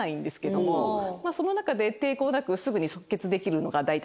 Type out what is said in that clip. その中で抵抗なくすぐに即決できるのが大体。